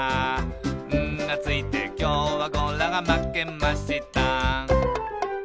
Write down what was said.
「『ん』がついてきょうはゴラがまけました」